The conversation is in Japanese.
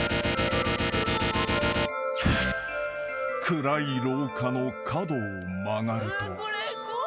［暗い廊下の角を曲がると］